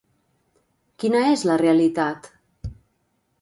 Quina és la realitat?